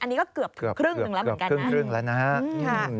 อันนี้ก็เกือบถึงครึ่งหนึ่งแล้วเหมือนกันนะ